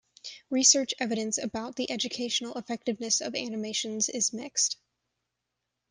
Research evidence about the educational effectiveness of animations is mixed.